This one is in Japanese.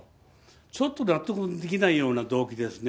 ちょっと納得できないような動機ですね。